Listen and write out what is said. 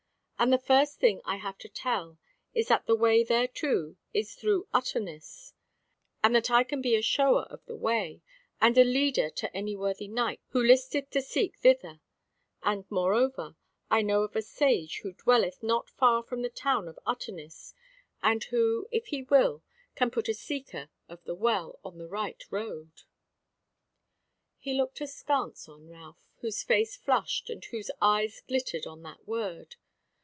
And the first thing I have to tell is that the way thereto is through Utterness, and that I can be a shower of the way and a leader to any worthy knight who listeth to seek thither; and moreover, I know of a sage who dwelleth not far from the town of Utterness, and who, if he will, can put a seeker of the Well on the right road." He looked askance on Ralph, whose face flushed and whose eyes glittered at that word.